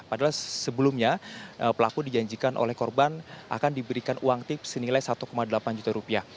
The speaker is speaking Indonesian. padahal sebelumnya pelaku dijanjikan oleh korban akan diberikan uang tips senilai satu delapan juta rupiah